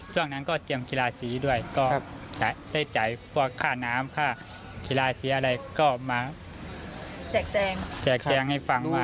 ช่วงนั้นก็เตรียมกีฬาสีด้วยก็ได้จ่ายพวกค่าน้ำค่ากีฬาสีอะไรก็มาแจกแจงให้ฟังว่า